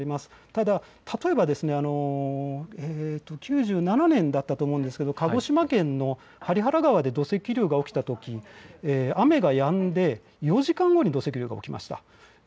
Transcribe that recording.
ただ、例えば９７年だったと思うんですが鹿児島県の針原川で土石流が起きたとき雨がやんで４時間後に土石流が起きました。